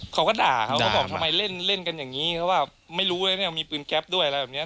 เขาก็ด่าเขาเขาบอกทำไมเล่นกันอย่างนี้เขาบอกไม่รู้เลยเนี่ยมีปืนแก๊ปด้วยอะไรแบบเนี่ย